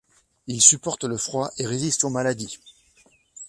Il supporte le froid et résiste aux maladies.